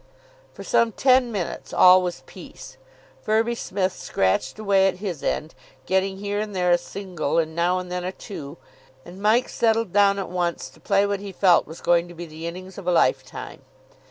For some ten minutes all was peace. Firby Smith scratched away at his end, getting here and there a single and now and then a two, and Mike settled down at once to play what he felt was going to be the innings of a lifetime.